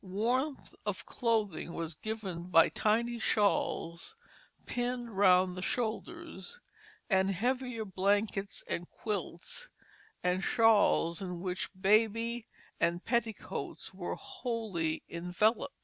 Warmth of clothing was given by tiny shawls pinned round the shoulders, and heavier blankets and quilts and shawls in which baby and petticoats were wholly enveloped.